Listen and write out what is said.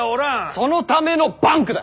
そのためのバンクだ。